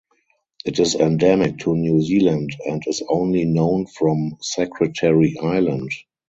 It is endemic to New Zealand and is only known from Secretary Island.